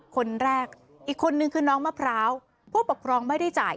คนแรกอีกคนนึงคือน้องมะพร้าวผู้ปกครองไม่ได้จ่าย